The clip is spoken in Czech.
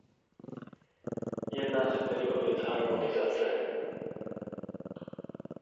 Jedná se tedy o věc harmonizace.